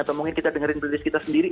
atau mungkin kita dengerin rilis kita sendiri